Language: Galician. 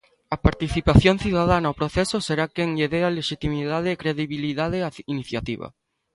A participación cidadá no proceso será quen lle dea lexitimidade e credibilidade á iniciativa.